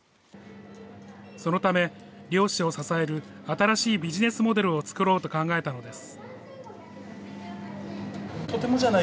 そのため、猟師を支える新しいビジネスモデルを作ろうと考えたのです。